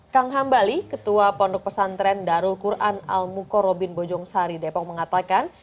kang hambali ketua pondok pesantren darul quran al mukorobin bojong sari depok mengatakan